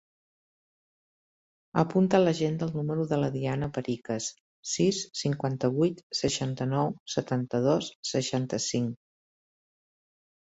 Apunta a l'agenda el número de la Diana Pericas: sis, cinquanta-vuit, seixanta-nou, setanta-dos, seixanta-cinc.